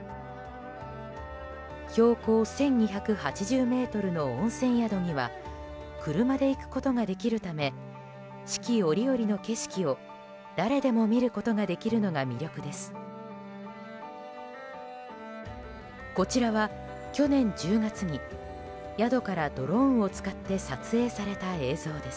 標高１２８０ｍの温泉宿には車で行くことができるため四季折々の景色を誰でも見ることができるのが魅力です。